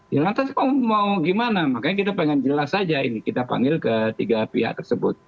ya lantas kok mau gimana makanya kita pengen jelas saja ini kita panggil ke tiga pihak tersebut